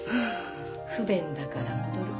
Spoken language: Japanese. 「不便だから戻る」